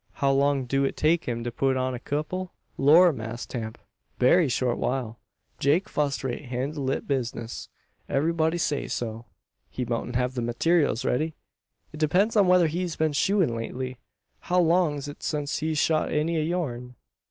How long do it take him to put on a kupple?" "Lor, Mass Tamp, berry short while. Jake fust rate han' lit de bizness. Ebberybody say so." "He moutn't have the mateerils riddy? It depends on whether he's been shoein' lately. How long's it since he shod any o' yourn?"